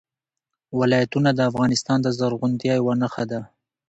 ولایتونه د افغانستان د زرغونتیا یوه نښه ده.